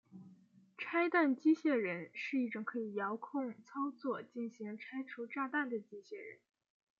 拆弹机械人是一种可以遥控操作进行拆除炸弹的机械人。